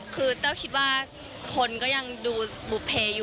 คือแก้วคิดว่าคนก็ยังดูบุปเพป